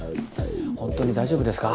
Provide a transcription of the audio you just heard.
ほんとに大丈夫ですか？